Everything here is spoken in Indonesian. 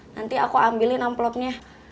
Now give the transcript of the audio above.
nanti aku ambilin amplopnya